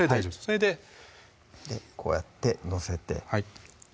それでこうやって載せてはい